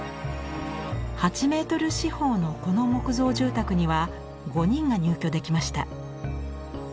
８メートル四方のこの木造住宅には５人が入居できました。